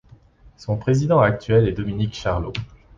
Son président actuel est Dominique Charlot.